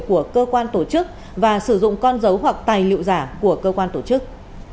của cơ quan tổ chức và sử dụng con dấu hoặc tài liệu giả của cơ quan tổ chức